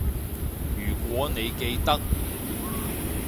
如果你記得